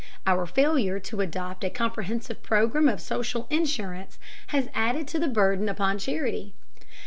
Our failure to adopt a comprehensive program of social insurance has added to the burden upon charity.